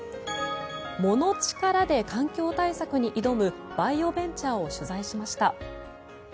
藻の力で環境対策に挑むバイオベンチャーを取材しました。